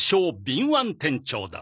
敏腕店長だ